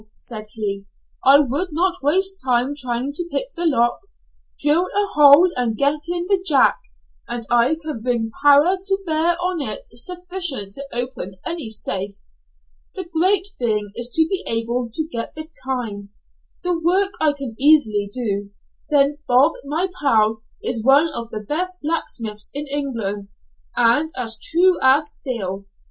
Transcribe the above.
said he, "I would not waste time trying to pick the lock. Drill a hole and get in the 'jack,' and I can bring power to bear on it sufficient to open any safe. The great thing is to be able to get the time, the work I can easily do; then Bob, my pal, is one of the best blacksmiths in England, and as true as steel.